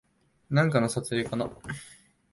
なんかの撮影かな